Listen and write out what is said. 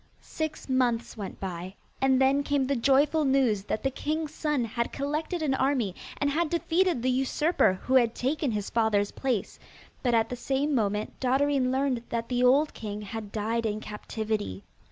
Six months went by, and then came the joyful news that the king's son had collected an army and had defeated the usurper who had taken his father's place, but at the same moment Dotterine learned that the old king had died in captivity.